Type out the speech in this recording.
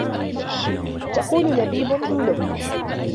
تَقُولُ لَبِيبٌ ذُو لُبٍّ